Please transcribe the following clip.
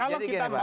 jadi gini pak